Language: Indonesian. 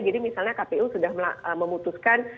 jadi misalnya kpu sudah memutuskan